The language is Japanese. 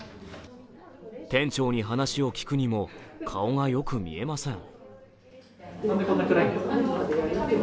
店長に話を聞くにも顔がよく見えません。